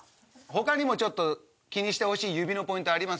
他にもちょっと気にしてほしい指のポイントあります？